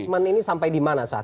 komitmen ini sampai di mana saat ini